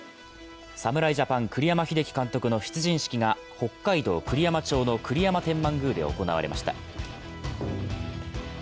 侍ジャパン・栗山英樹監督の出陣式が北海道栗山町の栗山天満宮で行われました。